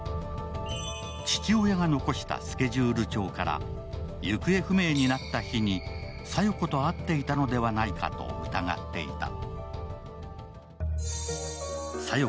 父親が残したスケジュール帳から行方不明になった日に小夜子と会っていたのではないかと疑っていた。